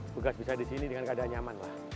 tugas bisa di sini dengan keadaan nyaman lah